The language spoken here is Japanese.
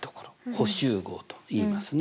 補集合といいますね。